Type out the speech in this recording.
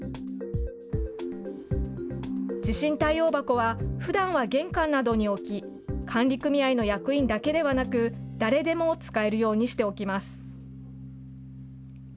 地震対応箱は、ふだんは玄関などに置き、管理組合の役員だけではなく、誰でも使えるようにしておきます。